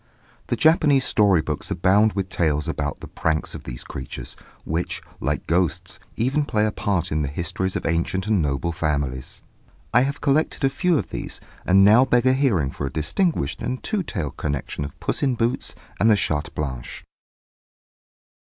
The Japanese story books abound with tales about the pranks of these creatures, which, like ghosts, even play a part in the histories of ancient and noble families. I have collected a few of these, and now beg a hearing for a distinguished and two tailed connection of Puss in Boots and the Chatte Blanche.